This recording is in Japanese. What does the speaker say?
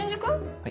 はい。